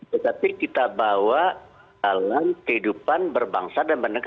tetapi kita bawa dalam kehidupan berbangsa dan bernegara